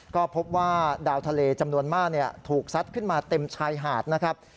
ก็พบว่าดาวทะเลจำนวนมากถูกซัดขึ้นมาเต็มชายหาดนะครับ